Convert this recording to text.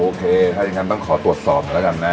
โอเคถ้าอย่างนั้นบ้างขอตรวจสอบหน่อยแล้วกันนะ